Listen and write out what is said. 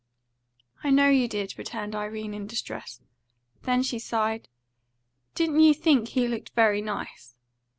"I know you did," returned Irene in distress. Then she sighed. "Didn't you think he looked very nice?"